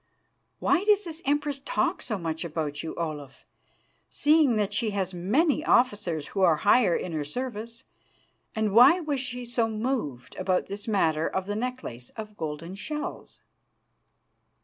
Why does this Empress talk so much about you, Olaf, seeing that she has many officers who are higher in her service, and why was she so moved about this matter of the necklace of golden shells?"